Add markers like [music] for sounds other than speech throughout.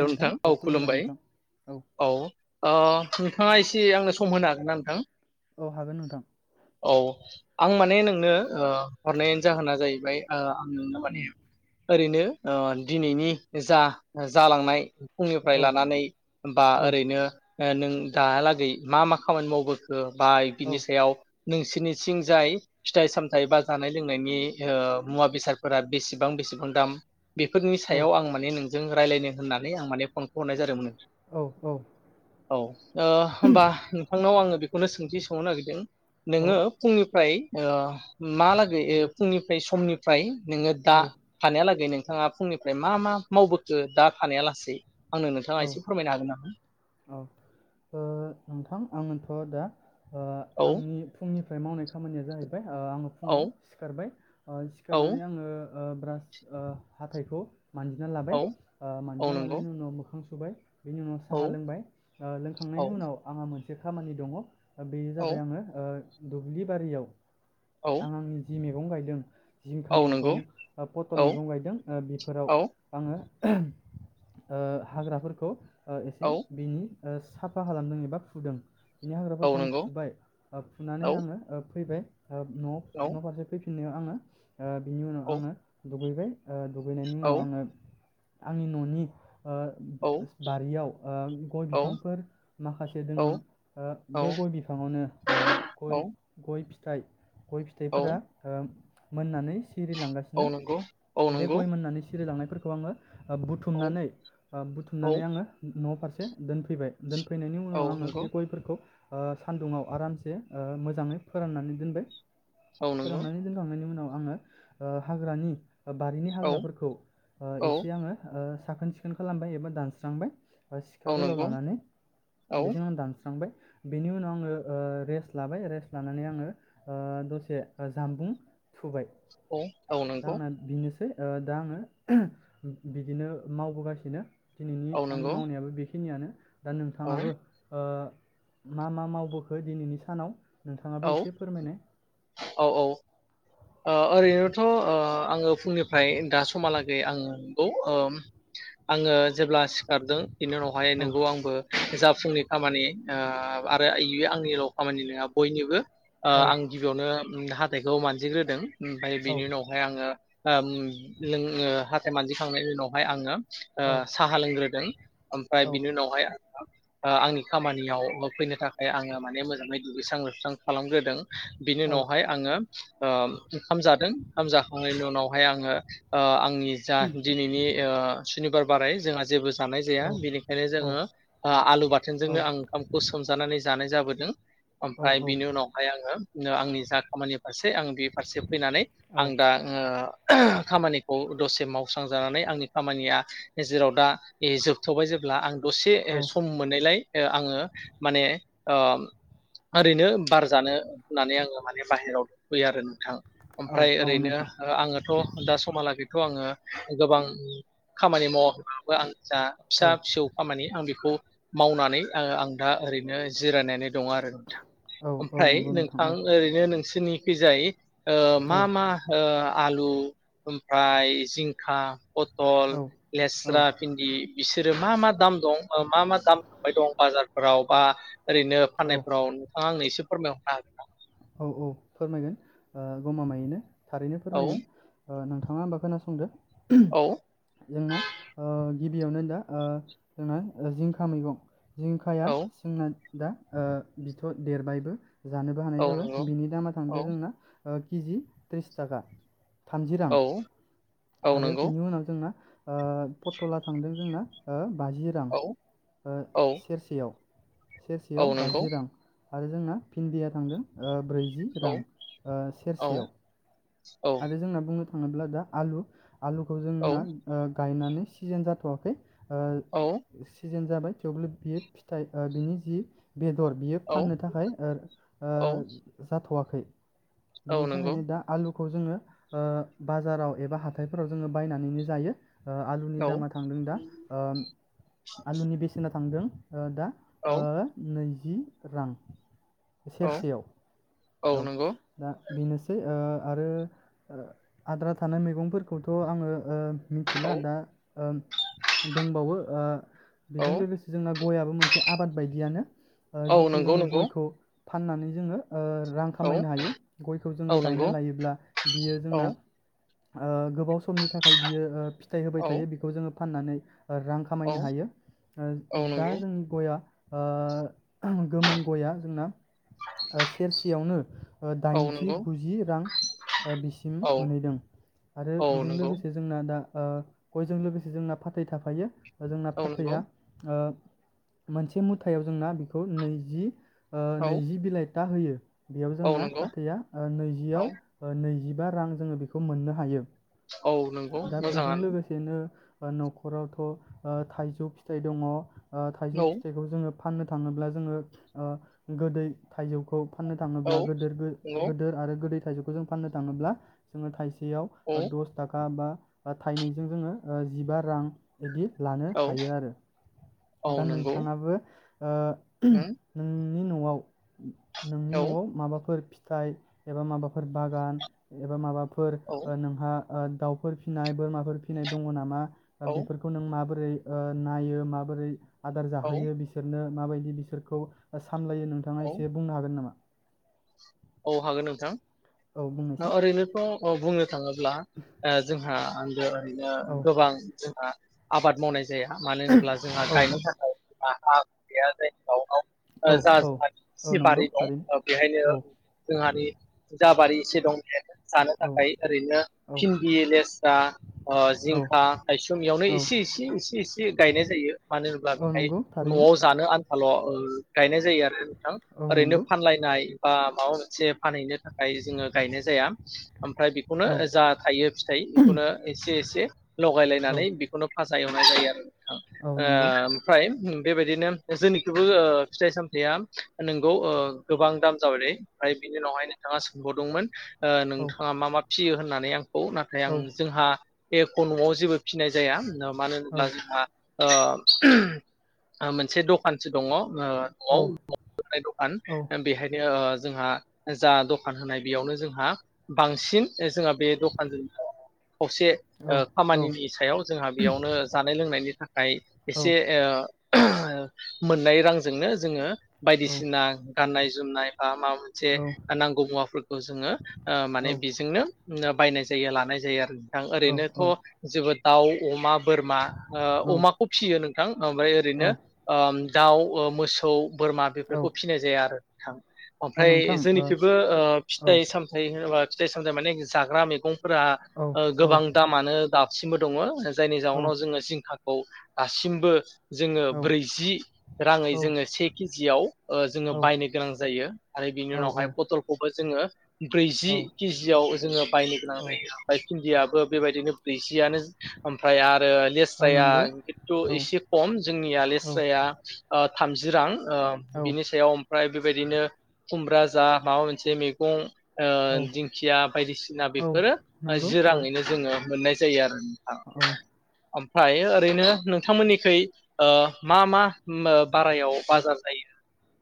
Hello नोंथां औ खुलुमबाय औ ओ नोंथाङा एसे ए आंनो सम होनो हागोन ना नोंथां? औ हागोन नोंथां। औ आं माने नोंनो हरनायनायनि जाहोना जाहैबाय ओ नोंना माने उम ओरैनो ओ दिनैनि जा ओ जालांनाय फुंनिफ्राय औ लानानै बा औ ओरैनो नों दाहालागै मा मा खामानि मावबोखो? बा औ बिनि सायाव नोंसिनिथिं जाय फिथाइ सामथाइ बा जानाय लोंनायनि मुवा बेसादफोरा बेसेबां बेसेबां दाम? बेफोरनि औ सायाव आं माने नों जों रायलायनो होननानै आं माने फनखौ हरनाय जादोंमोन औ औ ओ होमबा नोंथांनाव आङो बेख खौनो सोंथि सोंनो नागिरदों। नोङो फुंनिफ्राय - ओ मालागै फुंनिफ्राय समनिफ्राय नोङो दा औ फानायालागै नो बिथाङा फुंनिफ्राय मा मा मावबोखो दा थानायहालासि? औ औ ओ नोंथां आङोथ' दा ओ औ आंनि फुंनि फ्राय मावनाय खामानिया जाहैबाय। ओ आङो फुङाव औ सिखारबाय ओ औ सिखारनानै आङो ओ ब्रास ओ हाथाइखौ मानजिना लाबाय औ ओ औ मानजिना नंगौ लानायनि उनाव मोखां सुबाय। बेनि उनाव औ साहा लोंबाय ओ औ लोंखांनायनि उनाव आंहा मोनसे खामानि दङ। बेयो औ जाबाय आङो ओ दुब्लि बारियाव औ आं आंनि जि मे गं गायदों। जिंखा औ नंगौ मैगं पटल औ मैगं गायदों बेफोराव औ आङो [unintelligible] ओ हाग्राफोरखौ। औ एसे बिनि आ साफा खालामदों एबा फुदों। बिनि औ हाग्राफोरखौ आं नंगौ फुबाय औ फुनानै आङो फैबाय। न' औ न' फारसे फै फिनो आङो। आ बिनि उनाव आङो। दुगैबाय। ओ दुगैनायनि औ उनाव आङो। आंनि ननि ओ औ बारियाव ओ गय बिफांफोर माखासे दोङो ओ औ बे गय बिफाङावनो ओ गय गय थाइ गय औ फिथाइफोरा ओ मोननानै औ सिरिलांगासिनो नंगौ औ बे नंगौ गय मोननानै सि सिरिलांनायफोरखौ आङो ओ औ बुथुमनानै आं औ बुथुमनानै आङो न फारसे दोनफैबाय दोन फैनायनि औ उनाव आङो नंगौ बे गयफोरखौ आं सान्दुङाव आरामसे मोजाङै फोराननानै दोनबाय औ नंगौ फोरांनानै दोनखांनायनि उनाव आङो ओ हाग्रानि बारिनि औ हाग्राफोरखौ औ एसे आङो ओ साखोन सि खोन खालामबाय एबा दानस्रांबाय। बा सिखा औ गोलाव नंगौ लानानै औ बेजों आं दानस्रांबाय बेनि उनाव आङो ओ रेस्ट लाबाय रेस्ट लानानै आङो दसे जाम्बुं थुबाय। औ औ नंगौ सै ओ दा आङो बिदिनो मावगासि दिनो दिनैनि औ आंनि नंगौ मावनायाबो बे खिनियानो दा औ औ नोंथाङाबो ओ मा मा मावबोखो दिनैनि सानाव औ नोंथाङाबो एसे फोरमायनाय औ ओ ओरैनोथ' ओ आङो फुंनिफ्राय दा समहालागै आङो नंगौ ओ आङो जेब्ला सिखारदों बिनि उनावहाय औ नोंगौ आंबो जा फुंनि खामानि ओ आरो इ आंनिल खामानि नङा बयनिबो ओ औ आं गिबियावनो हाथायखौ मानजिग्रो दों ओमफाय औ बिनि उनावहाय आङो ओम नों ओ हाथाय मानजिखांनायनि उनावहाय आङो औ ओ साहा लोंग्रोदों ओमफ्राय औ बिनि उनावहाय आंङो ओ‌ आंनि खामानियाव फैनो थाखाय आङो माने मोजाङै दुगैस्रां लोबस्रां खालामग्रोदों बिनि उनावहाय आङो ओम ओंखाम जादों ओंखाम जाखांनायनि उनावहाय आङो ओ आंनि जा दिनैनि सुनिबार बाराय जोंहा जेबो जानाय औ जाया बेनिखायनो औ जोङो ओ आलु बाथोनजोंनो आं ओंखामखौ सोमजानानै जानाय जाबोदों। ओमफ्राय बिनि उनावहाय आङो आंनि जा खामानि फारसे आं बे फारसे फैनानै औ आं दा ओ खामानिखौ दसे मावस्रांजानानै आंनि खामानिया जेराव दा ए जोबथबाय जेब्ला आं दसे औ सम मोननायलाय आङो माने ओ ओरैनो बारजानो होननानै आङो माने बाहेरआव दंफैयो आरो नों थां औ ओमफ्राय औ ओरैनो नोंथां आङोथ' दा समहालागैथ' आङो गोबां खामानि मावाबो आं जा औ फिसा फिसौ खामानि आं बेखौ मावनानै आ आं दा ओरैनो नो जिरायनानै दं आरो नोंथां औ औ ओमफ्राय नंगौ औ नोंथां ओरैनो नोंसि निखि जाय ओ मा मा ओ आलु ओमफ्राय जिंखा पत तल औ औ लेस्रा औ भिनदि बिसोरो मा मा दाम दं मा मा दाम थांबाय दं बाजारफोराव बा ओरैनो औ फाननायफ्राव नोंथाङा आंनो एसे से फोरमायहरनो हागोन ना? औ औ फोरमायगोन गमामायैनो थारैनो फोरमायगोन। हागोन अ नोंथाङा होनोमबा खोनासंदो। औ जोंना ओ गिबियावनो दा अ जोंना जिंखा मैगं जिंखाया जोंना दा अ बिथ' देरबायबो जानोबो हानाय जाबाय। औ बिनि दामा थांदो जोंना केजि त्रिस ताका थामजि रां औ औ आरो नंगौ बिनि उनाव जों अ पथला थांदों जोंना अ बाजि रां औ अ औ सेरसेयाव औ सेरसेयाव नंगौ बाजि रां आरो जोंना भिन्दिया थांदों अ ब्रैजि औ रां अ सेरसेयाव औ औ आरो जोंना बुंनो थाङोब्ला दा आलु आलुखौ जोंना नंगौ ओ गायनानै सिजेन जाथ'वाखै औ ओ सि जेन जाबाय थेवबो बियो फिथाइ ओ बिनि जि बेदर बियो फाननो थाखाय ओ ओ औ जाथ'वाखै फै औ बिनि नंगौ थाखायनो दा आलु खौ जोङो ओ बाजाराव एबा हाथायफोराव जोङो बायनानैनो जायो ओ आलुनि औ दामा थांदों दा ओ आलुनि बेसेना थांदों ओ दा ओ औ नै जि रां औ सेरसेयाव औ दा बेनोसै ओ आरो आद्रा थानाय मैगंफोरखौथ' आङो ओ मिथिला औ दा ओम दोंबावो ओ बेजों औ लोगोसे जोंना गयाबो मोनसे आबाद बायदियानो ओ औ जिखौ नंगौ जोङो नंगौ गयखौ फाननानै जोङो ओ रां औ खामायनो हायो गयखौ औ जोङो नंगौ गायना लायो ब्ला बियो औ जोंना ओ गोबाव समनि थाखाय बियो ओ फिथाइ होबाय औ थायो बिखौ जोङो फाननानै ओ रां औ खामायनो हायो ओ औ दा नंगौ जोंनि गया ओ गोमोन गया जोंना ओ सेरसेयावनो ओ औ दाइनजि नंगौ गुजि रां ओ बिसिम औ मोनहैदों आरो औ बेजों नंगौ लोगोसे जोंना दा ओ गयजों लोगोसे जोंना फाथै थाफायो जोंना औ नंगौ फाथैया ओ मोनसे मुथायाव जोंना बेखौ नैजि ओ औ नैजि बिलाइ दा होयो। बेयाव औ जोंना नंगौ फाथैया औ नैजियाव नैजिबा रां जोङो बेखौ मोननो हायो। औ नंगौ दा बेजों मोजाङानो लोगोसेनो न'खरावथ' थाइजौ फिथाइ दङ। थाइजौ फिथाइखौ जोङो फाननो थाङोब्ला जोङो गोदै थाइजौखौ फाननो औ थाङोब्ला गोद नंगौ गोदोर आरो गोदै थाइजौखौ जों फाननो थाङोब्ला जोङो थाइसे सेयाव औ दस थाखा बा थाइनैजों जोङो जिबा रां बिदि लानो औ हायो आरो औ दा नंगौ नोंथाङाबो नों उम नि न'आव नोंनि औ न'आव माबाफोर फि थाइ एबा माबाफोर बागान एबा माबाफोर औ फोर नोंहा दाउफोर फिसिनाय बोरमाफोर फिसिनाय दङ नामा। दा औ बे नों माबोरै [unintelligible] नायो माबोरै आदार औ जाहोयो बिसोरनो माबायदि बिसोरखौ सामलायो नोंथाङा औ एसे बुंनो हागोन नामा? औ हागोन औ नोंथां बुंनायसाय ओरैनोथ' बुङो थाङोब्ला ओ जोंहा [unintelligible] ज रैनो औ गोबां जोंहा आबाद मावनाय जाया मानो होनोब्ला जोंहा औ गायनो थाखाय [unintelligible] औ जा औ जोंहा औ सि नंगौ बारि दं थारैनो बेहायनो औ जोंहानि जा बारि एसे दं जानो औ थाखाय ओरैनो औ भिन्दि लेस्रा ओ औ जिंखा औ थायसुंमियावइसे इसे इसे इसे गायनाय जायो मानो होनोब्ला औ बेहाय नंगौ थारैनो न'आव जानो आन [unintelligible] गायनाय जायो आरो नोंथां औ ओरैनो नंगौ फानलायनाय बा [unintelligible] सेब फानहैनो थाखाय जोङो गायनाय जाया ओमफ्राय बेखौनो औ जा थायो फिथाइ बेखौनो औ एसे एसे लगाय लायनानै बेखौनो फा एवना जायो आरो। औ नंगौ ओ ओमफ्राय बेबायदिनो जोंनिखौबो ओ फिथाइ सामथायाइया नोंगौ ओ गोबां दाम जाबायलै ओमफ्राय बिनि उनावहाय नोंथाङा सोंबावदोंमोन ओ औ नोंथाङा मा मा फियो होननानै आं औ नाथाय औ आं जोंहा एख' न'आव जेबो फिनाय जाया। मानो औ होनोब्ला जोंहा ओ मोनसे दखानसो दङ। ओ न'आव न'आवनो होनाय दखान औ बेहायनो ओ जोंहा जा दखान होनाय बेयावनो जोंहा बांसिन जोंहा बे दखानजों खौसे औ ओ औ खामानिनि सायाव जोंहा बेयावनो जानाय लोंनायनि थाखाय आय औ एसे ओ मोननाय रांजोंनो जोङो औ बायदिसिना गाननाय जोमनाय माबा मोनसे नांगौ मुवाफोरखौ जोङो ओ माने बेजोंनो बायनाय जायो लानाय जायो आरो आं ओरैनोथ' जोबोद दाउ अमा बोरमा ओ अमाखौ फिसियो नों ओमफ्राय औ ओरैनो ओम दाउ ओ मोसौ बोरमा औ बेफोरखौ फिसिनाय जाया आरो थां औ अमफ्राय नोंथां जोंनिथिंबो ओ ओ फिथाइ सामथाय होनोबा फिथाय सानजा माने जाग्राा मेगं फोर औ ओ औ गोबां दामानो दाब सिमबो दङ जायनि जाउनाव जोङो जिंखा औ आसिमबो जोङो औ ब्रैजि राङै जोङो से किजियाव ओ जोङो बायनो गोनां जा जायो आरो बिनि औ उनावहाय पटलखौबो जोङो ब्रैजि किजियाव जोङो बायनो गोनां औ जायो ओमफ्राय बिन्दियाबो बेबायदिनो ब्रैजि दियानो ओमफ्राय आरो औ लेस्राया नंगौ खिन्थु औ एसे खम जोंनिया औ लेसराया ओ थामजि रां ओम औ बिनि सायाव प्राइ बिब बेदिनो खुमब्रा जा माबा मोनसे मेगं ओ दिंखिया बायदिसिना औ बेफोरो नंगौ जिराङैनो औ जोङो मोननाय जा जायो आरो औ ओमफाय ओरैनो नोंथांमोननिखै मा मा बारायाव बाजार जायो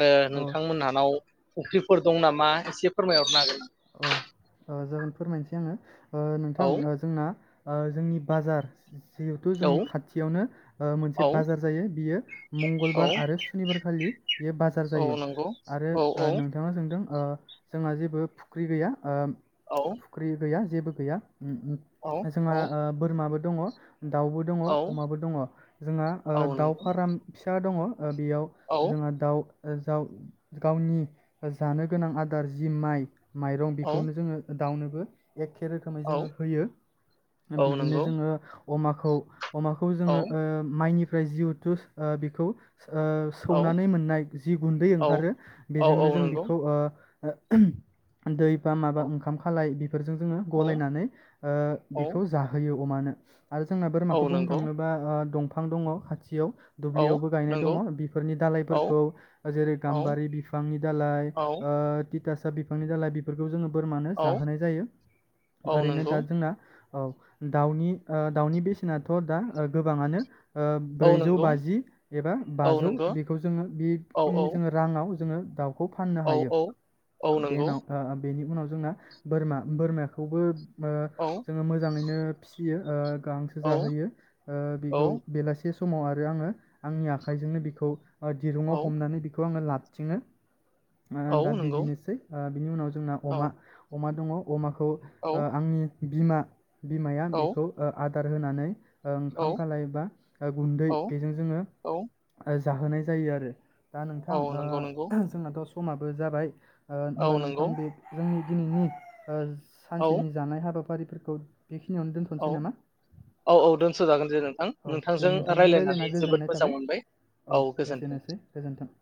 आरो औ थांमोनहानाव फख्रिफोर दं नामा एसे फोरमायहरनो हागोनना। औ ओ जागोन फोरमायनोसै आङो। ओ नोंथां हागोन ओ जोंना। ओ जोंनि बाजार। जिहेथु ना? औ जोंनि खाथियावनो ओ मोनसे बाजार जायो बियो औ मंगलबार आरो सुनिबारखालि बियो बाजार औ जायो नंगौ आरो औ ओ औ नोंथाङा सोंदों। ओ जोंहा जेबो फु ख्रि गैया ओम औ फुख्रि गैया जेबो गैया उम्म उम्म जोंहा औ ओ बोरमाबो। दङ। दाउबो दङ औ अमाबो दङ औ जोंहा दाउ नंगौ फाराम फिसा दङ बेयाव औ जोंहा दाउ गाव गावनि जानो गोनां आदार जि माइ माइरं औ बेखौनो जोङो दाउनोबो एखे रोखोमै औ जोङो होयो औ बिदिनो नंगौ जोङो अमाखौ अमाखौ औ जोङो माइनि फ्राय जिहेथु ओ बेखौ ओ औ सौनानै मोननाय जि गुन्दै औ ओंखारो औ बेजोंनो जों नंगौ बेखौ ओ [unintelligible] दै बा माबा औ ओंखाम खालाय बेफोरजों जोङो औ गलायनानै ओ औ बेखौ जाहोयो अमानो आरो जोंना औ बोरमाखौ बुंनो नंगौ थाङोबा दं फां दङ खाथियाव औ दुब्लियावबो गायनाय नंगौ दङ बेफोरनि औ दालायफोरखौ जेरै औ गाम्बारि बिफांनि दालाय औ तिटा बिफांनि दालाय बेफोरखौ जोङो बोरमानो जाहोनाय जायो औ औ ओरैनो नंगौ दा जोंना औ दाउनि दाउनि बेसेनाथ' दा गोबाङानो ओ औ ब्रैजौ नंगौ बाजि एबा औ बाजौ नंगौ बेखौ जोङो औ बेखिनि औ जोङो राङाव जोङो दाउ औ औ औ नंगौ। ओ बेनि उनाव जोंना बोरमा बोरमाखौबो। औ जोङो मोजाङैनो फिसियो गांसो औ जाहोयो औ बेखौ बेलासे स माव आरो आङो आंनि आखाइजोंनो बेखौ दिरुंङाव औ हमनानै बेखौ आङो ला थिङो। औ दा नंगौ बिदिनोसै बिनि उनाव जोंना औ अमा अमा दङ अमा खौ औ आंनि बिमा बिमाया औ बेखौ आ आद थार होनानै ओ ओंखाम खालाय बा ओ गुन्दै बेजों जोङो औ ओ जाहोनाय जायो आरो दा नोंथां औ ओ नंगौ नंगौ जोंना थ समाबो जाबाय औ होनबा नो [inaudible] नंगौ जोंनि दिनैनि ओ औ सानसेनि जानाय हाबाफारि फोरखौ औ औ औ दोनथ'जागोन दे नोंथां। औ दे नोंथांजों रायज्लायनानै रायज्लायना जोबोद गोजोननाय मोजां थाबाय। मोनबाय औ, एसेनोसै गोजोन्थों।।